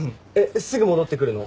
すぐ戻ってくるの？